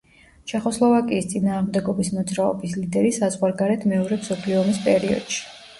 ჩეხოსლოვაკიის წინააღმდეგობის მოძრაობის ლიდერი საზღვარგარეთ მეორე მსოფლიო ომის პერიოდში.